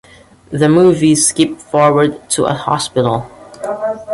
The movie skips forward to a hospital.